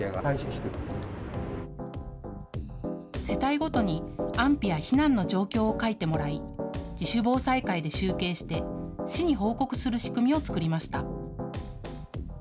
世帯ごとに安否や避難の状況を書いてもらい自主防災会で集計して市に報告する仕組みを作りました。